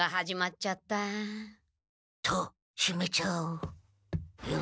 戸しめちゃおう。